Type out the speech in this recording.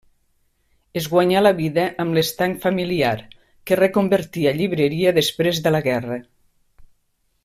Es guanyà la vida amb l'estanc familiar, que reconvertí a llibreria després de la guerra.